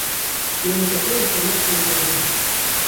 يَوْمَ تَكُونُ السَّمَاءُ كَالْمُهْلِ